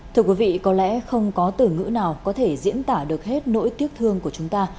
thưa quý vị có lẽ không có từ ngữ nào có thể diễn tả được hết nỗi tiếc thương của chúng ta